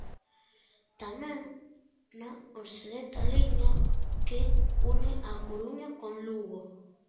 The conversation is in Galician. Tamén na obsoleta liña que une A Coruña con Lugo.